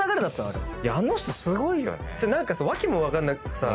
何かさ訳も分かんなくさ。